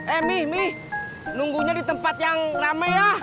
eh mi mi nunggunya di tempat yang rame ya